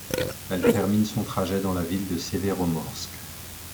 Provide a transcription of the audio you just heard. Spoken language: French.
Elle termine son trajet dans la ville de Severomorsk.